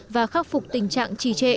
và khắc phục tình trạng trì trệ